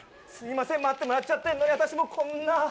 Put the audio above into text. すいません待ってもらっちゃってんのに私もうこんな。